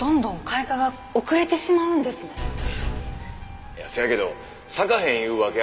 いやそやけど咲かへんいうわけやないから。